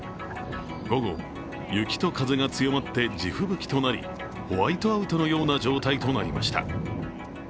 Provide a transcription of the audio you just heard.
午後、雪と風が強まって地吹雪となり、ホワイトアウトのような状態となりました。